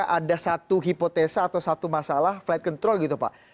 ada satu hipotesa atau satu masalah flight control gitu pak